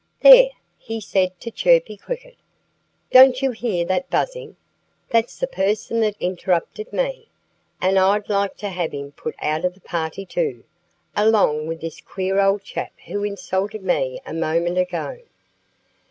"There!" he said to Chirpy Cricket. "Don't you hear that buzzing? That's the person that interrupted me. And I'd like to have him put out of the party too, along with this queer old chap who insulted me a moment ago."